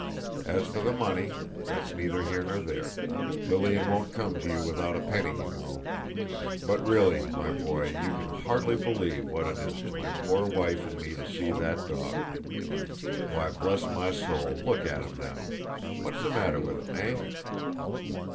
As for the money, that's neither here nor there; Lilian won't come to you without a penny, you know. But really, my boy, you can hardly believe what it is to my poor wife and me to see that dog. Why, bless my soul, look at him now! What's the matter with him, eh?"